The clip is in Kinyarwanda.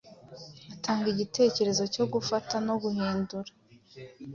atanga igitekerezo cyo gufata no guhindura